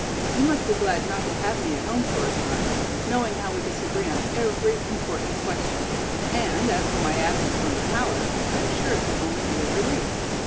"You must be glad not to have me at home for a time, knowing how we disagree on every important question. And, as for my absence from the palace, I am sure it can only be a relief.